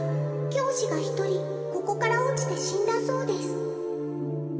「教師がひとりここから落ちて死んだそうです」